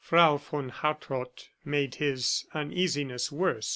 Frau von Hartrott made his uneasiness worse.